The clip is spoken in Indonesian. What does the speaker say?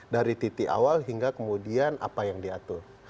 dari titik awal hingga kemudian apa yang diatur